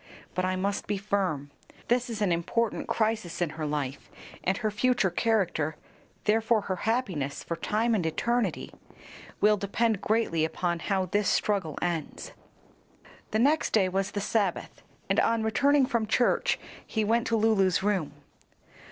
But I must be firm. This is an important crisis in her life, and her future character therefore her happiness for time and eternity will depend greatly upon how this struggle ends." The next day was the Sabbath, and on returning from church, he went to Lulu's room.